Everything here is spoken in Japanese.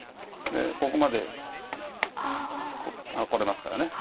でここまでこれますから。